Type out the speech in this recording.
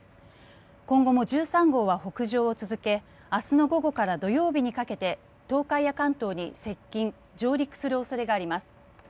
今後も１３号は北上を続け明日の午後から土曜日にかけて東海や関東に接近・上陸する恐れがあります。